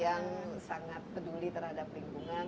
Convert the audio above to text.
yang sangat peduli terhadap lingkungan